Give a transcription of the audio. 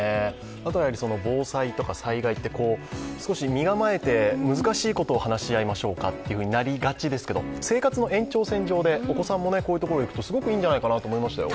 防災とか災害って、少し身構えて難しいことを話し合いましょうかとなりがちですけど生活の延長線上でお子さんもこういうところに行くとすごくいいんじゃないかと思いますね。